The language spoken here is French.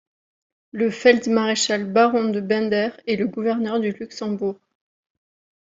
Le feld-maréchal baron de Bender est le gouverneur de Luxembourg.